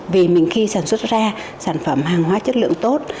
vì mình khi sản xuất ra sản phẩm hàng hóa chất lượng tốt